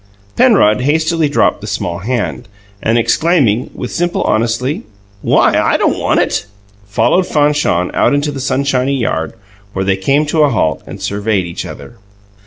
Penrod hastily dropped the small hand, and exclaiming, with simple honesty, "Why, I don't want it!" followed Fanchon out into the sunshiny yard, where they came to a halt and surveyed each other.